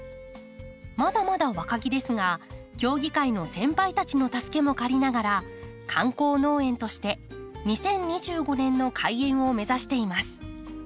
まだまだ若木ですが協議会の先輩たちの助けも借りながら観光農園として２０２５年の開園を目指しています。